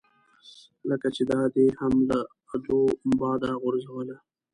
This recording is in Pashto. لکه چې دا دې هم له ادو باده غورځوله.